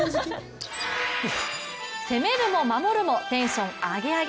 攻めるも守るもテンションアゲアゲ。